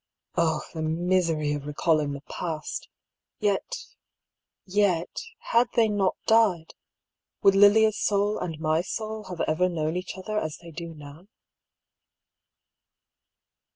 Oh the misery of recalling the past ! Yet, yet, had they not died, would Lilia's soul and my soul have ever known each other as they do now